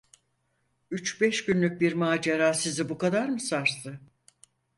Üç beş günlük bir macera sizi bu kadar mı sarstı?